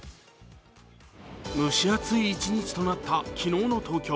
蒸し暑い一日となった昨日の東京。